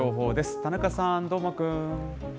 田中さん、どーもくん。